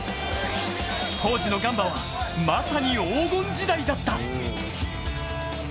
当時のガンバは、まさに黄金時代だった。